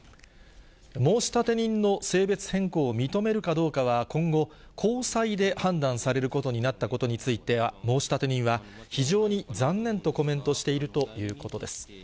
申立人の性別変更を認めるかどうかは、今後、高裁で判断されることになったことについては、申立人は、非常に残念とコメントしているということです。